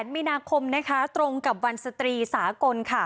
มีนาคมตรงกับวันสตรีสากล